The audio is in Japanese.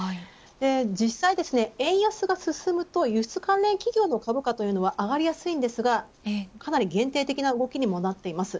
実際、円安が進むと輸出関連企業の株価は上がりやすいんですがかなり限定的な動きになっています。